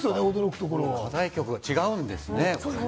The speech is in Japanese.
課題曲が違うんですよね。